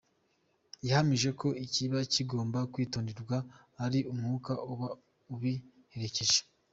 Yahamije ko ‘ikiba kigomba kwitonderwa ari umwuka uba ubiherekeje’.